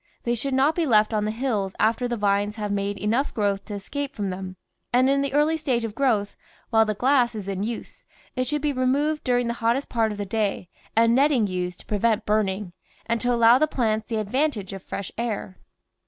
They should not be left on the hills after the vines have made enough growth to escape from them, and in the early stage of growth, while the glass is in use, it should be removed during the hottest part of the day and netting used to pre vent burning, and to allow the plants the advan tage of fresh air.